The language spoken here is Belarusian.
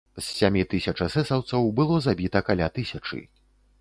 З сямі тысяч эсэсаўцаў было забіта каля тысячы.